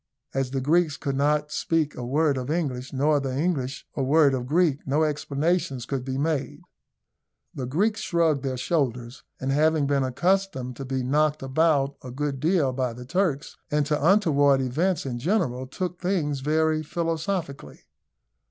As the Greeks could not speak a word of English, nor the English a word of Greek, no explanations could be made. The Greeks shrugged their shoulders, and having been accustomed to be knocked about a good deal by the Turks, and to untoward events in general, took things very philosophically.